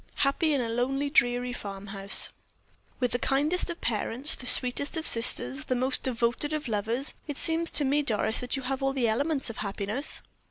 "Happy in a lonely, dreary farm house!" "With the kindest of parents, the sweetest of sisters, the most devoted of lovers, it seems to me, Doris, that you have all the elements of happiness."